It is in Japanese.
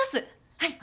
はい。